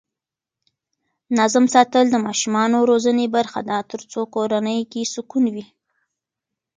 نظم ساتل د ماشومانو روزنې برخه ده ترڅو کورنۍ کې سکون وي.